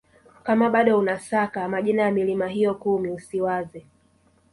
Kama bado unasaka majina ya milima hiyo kumi usiwaze